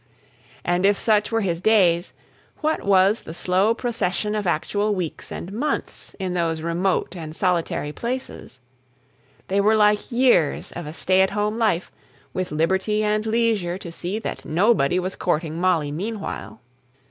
And if such were his days, what was the slow procession of actual weeks and months in those remote and solitary places? They were like years of a stay at home life, with liberty and leisure to see that nobody was courting Molly meanwhile.